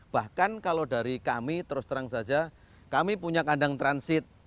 bahkan kalau dari kami terus terang saja kami punya kandang transit